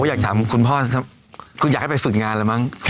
อยากถามคุณพ่อคุณอยากให้ไปฝึกงานหรือมั้ง